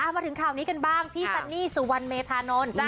มาถึงข่าวนี้กันบ้างพี่ซันนี่สุวรรณเมธานนท์